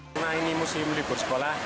karena ini musim libur sekolah